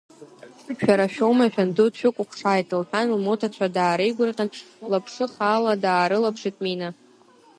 Шәара шәоума, шәанду дшәыкәыхшааит, — лҳәан, лмоҭацәа даареигәырӷьан, лаԥшы хаала даарылаԥшит Мина.